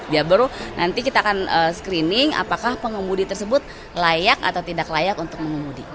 ya baru nanti kita akan screening apakah pengemudi tersebut layak atau tidak layak untuk mengemudi